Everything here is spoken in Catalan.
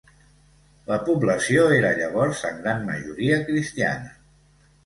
La població era llavors en gran majoria cristiana.